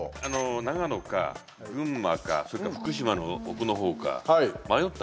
長野か群馬か、それか福島の奥の方か迷ったんですよ。